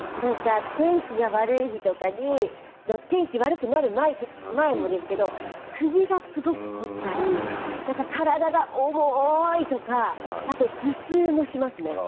天気が悪い日とか天気が悪くなる前もそうですけれど首がすごく凝ったり体が重いとか頭痛もしますね。